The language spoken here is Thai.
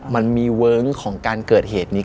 มันมีเวิ้งของการเกิดเหตุนี้